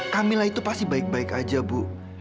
camillah itu pasti baik baik aja bu